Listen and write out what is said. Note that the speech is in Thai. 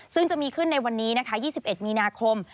ซึ่งจะมีขึ้นในวันนี้นะคะ๒๑มีนาคม